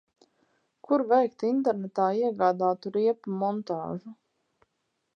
Kur veikt internetā iegādātu riepu montāžu?